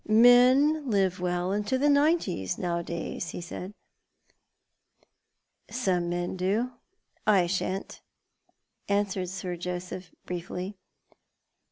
" Men live well into the nineties nowadays," he said. "Some men do. I shan't," answered Sir Joseph, briefly.